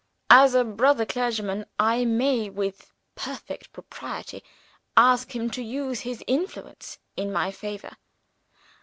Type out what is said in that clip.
As a brother clergyman, I may with perfect propriety ask him to use his influence in my favor."